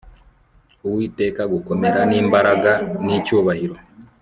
Uwiteka gukomera n imbaraga n icyubahiro